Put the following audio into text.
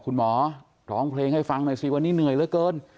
คุณหมอร้องเพลงให้ฟังหน่อยสิวันนี้เหนื่อยเหลือเกิน